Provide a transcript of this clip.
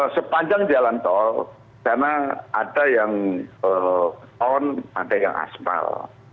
sepanjang jalan tol karena ada yang on ada yang aspal